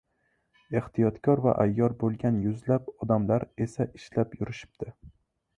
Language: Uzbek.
Ehtiyotkor va ayyor boʻlgan yuzlab odamlar esa ishlab yurishibdi.